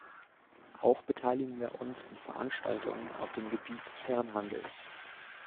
Auch beteiligen wir uns an Veranstaltungen auf dem Gebiet des fairen Handels.